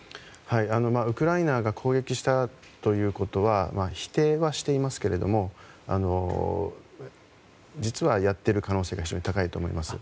ウクライナが攻撃したということは否定はしていますけども実はやっている可能性は非常に高いと思います。